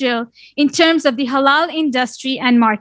dalam halal industri dan pasar